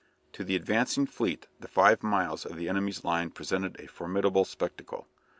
To the advancing fleet the five miles of the enemy's line presented a formidable spectacle.